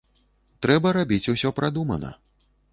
Трэба рабіць усё прадумана.